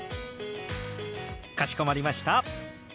かしこまりました。